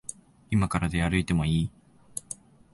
いまから出歩いてもいい？